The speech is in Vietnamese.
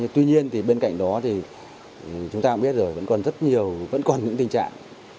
tuy nhiên thì bên cạnh đó thì chúng ta cũng biết rồi vẫn còn rất nhiều vẫn còn những tình trạng